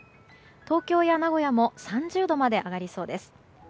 東京や名古屋も３０度まで上がりそうです。